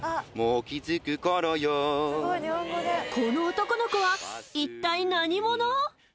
この男の子は一体何者？